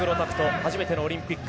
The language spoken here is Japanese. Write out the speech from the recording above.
初めてのオリンピック。